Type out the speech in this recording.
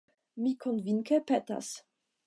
Mi konvinke petas.